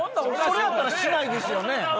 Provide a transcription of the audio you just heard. それやったらしないですよね。